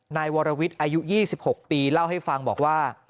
นายวรวิทย์อายุ๒๖ปีเล่าให้ฟังบอกว่า